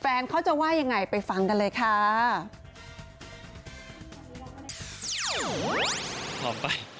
แฟนเขาจะว่ายังไงไปฟังกันเลยค่ะ